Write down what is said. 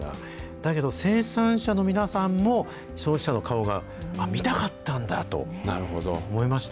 だけど、生産者の皆さんも消費者の顔があっ、見たかったんだと思いました。